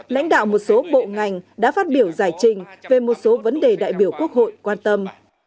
lãnh đạo một số bộ ngành đã phát biểu giải trình về một số vấn đề đại biểu quốc hội quan tâm